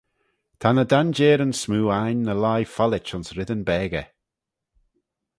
Ta ny danjeyryn smoo ain ny lhie follit ayns reddyn beggey.